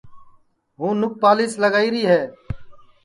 ہوں نُپالیس لگائیری ہے